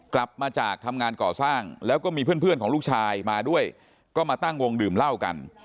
กลับมาจากทำงานก่อสร้างแล้วก็มีเพื่อนของลูกชายมาด้วยก็มาตั้งวงดื่มเหล้ากัน